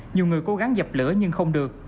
nhiều người cố gắng dập lửa nhưng không được